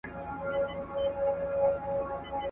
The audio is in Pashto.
درواغ د ايمان زيان دئ.